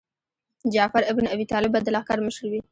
جعفر ابن ابي طالب به د لښکر مشر وي.